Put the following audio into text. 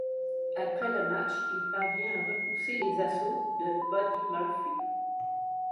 Après le match, il parvient à repousser les assauts de Buddy Murphy.